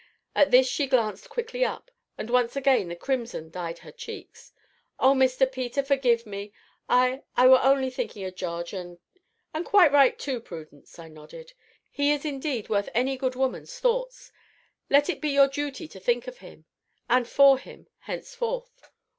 At this she glanced quickly up, and once again the crimson dyed her cheeks. "Oh, Mr. Peter, forgive me! I I were only thinkin' of Jarge, and " "And quite right too, Prudence," I nodded; "he is indeed worth any good woman's thoughts; let it be your duty to think of him, and for him, henceforth."